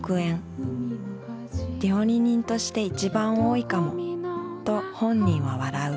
料理人として一番多いかもと本人は笑う。